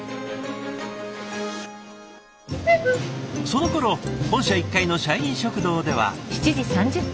そのころ本社１階の社員食堂では。